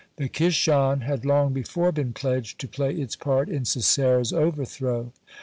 The Kishon had long before been pledged to play its part in Sisera's overthrow.